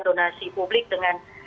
donasi publik dengan